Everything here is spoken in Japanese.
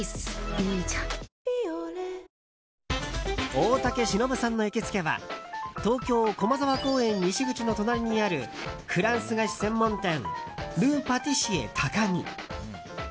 大竹しのぶさんの行きつけは東京・駒沢公園西口の隣にあるフランス菓子専門店ルパティシエタカギ。